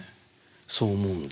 そう思うんだ。